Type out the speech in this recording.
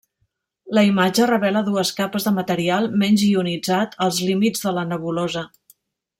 La imatge revela dues capes de material menys ionitzat als límits de la nebulosa.